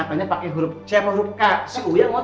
kalau kiki tuh pernah kuliah